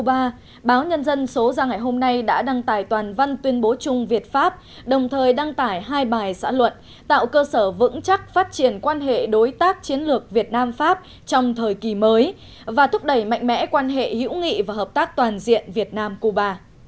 báo nhân dân số ra ngày hôm nay đã đăng tải toàn văn tuyên bố chung việt pháp đồng thời đăng tải hai bài xã luận tạo cơ sở vững chắc phát triển quan hệ đối tác chiến lược việt nam pháp trong thời kỳ mới và thúc đẩy mạnh mẽ quan hệ hữu nghị và hợp tác toàn diện việt nam cuba